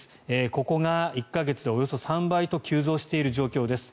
ここが１か月でおよそ３倍と急増している状況です。